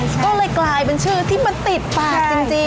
ก็เลยกลายเป็นชื่อที่มันติดปากจริง